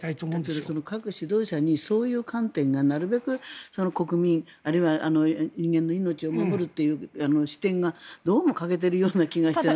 だけど各指導者にそういう観点がなるべく国民、あるいは人間の命を守るという視点がどうも欠けているような気がしてならない。